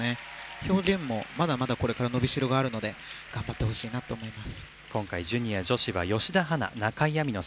表現もまだまだこれからのびしろがあるので頑張ってほしいなと思います。